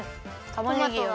たまねぎが。